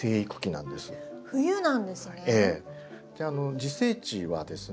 自生地はですね